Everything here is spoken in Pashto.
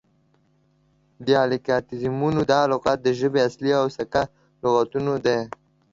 دیالیکتیزمونه: دا لغات د ژبې اصلي او سکه لغتونه دي